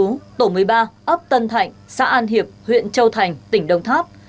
nơi ba ấp tân thạnh xã an hiệp huyện châu thành tỉnh đồng tháp